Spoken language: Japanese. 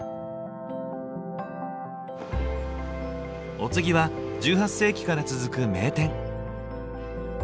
お次は１８世紀から続く名店。